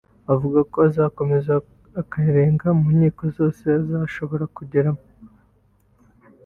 avuga ko azakomeza akarega mu nkiko zose azashobora kugeramo